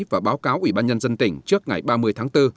và báo cáo ubnd tỉnh trước ngày ba mươi tháng bốn